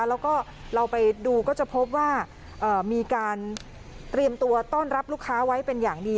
แล้วก็เราไปดูก็จะพบว่ามีการเตรียมตัวต้อนรับลูกค้าไว้เป็นอย่างดี